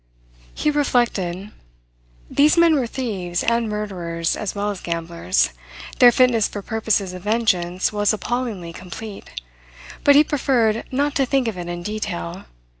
He reflected. These men were thieves and murderers as well as gamblers. Their fitness for purposes of vengeance was appallingly complete. But he preferred not to think of it in detail.